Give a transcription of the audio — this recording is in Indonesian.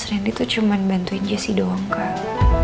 mas rendy itu cuma bantuin jessy doang kak